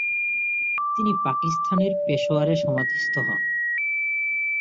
তিনি পাকিস্তানের পেশোয়ারে সমাধিস্থ হন।